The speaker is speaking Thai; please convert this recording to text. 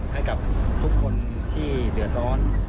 ให้กับทุกคนที่เดือดร้อน